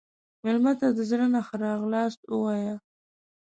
مېلمه ته د زړه نه ښه راغلاست ووایه.